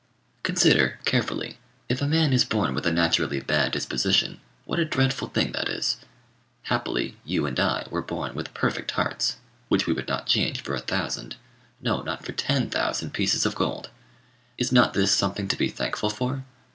Consider, carefully, if a man is born with a naturally bad disposition, what a dreadful thing that is! Happily, you and I were born with perfect hearts, which we would not change for a thousand no, not for ten thousand pieces of gold: is not this something to be thankful for?